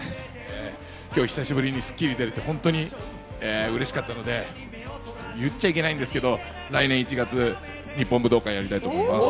今日久しぶりに『スッキリ』に出てうれしかったので、言っちゃいけないんですけど、来年１月、日本武道館やりたいと思います。